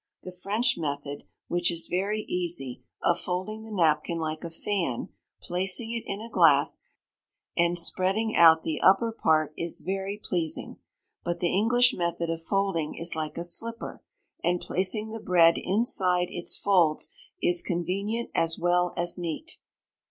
The French method, which is very easy, of folding the napkin like a fan, placing it in a glass, and spreading out the upper part, is very pleasing. But the English method of folding is like a slipper, and placing the bread inside its folds is convenient as well as neat.